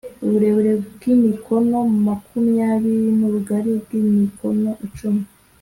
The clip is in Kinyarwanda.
uburebure bw’ imikono makumyabiri n’ ubugari bw imikono icumi